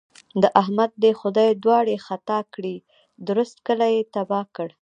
د احمد دې خدای دواړې خطا کړي؛ درست کلی يې تباه کړ.